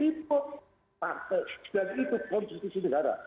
dan itu konstitusi negara